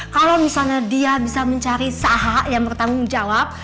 kalau misalnya dia bisa mencari saha yang bertanggung jawab